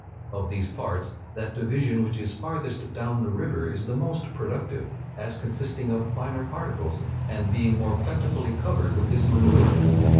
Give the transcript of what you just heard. Of these parts, that division which is farthest down the river is the most productive, as consisting of finer particles, and being more plentifully covered with this manure.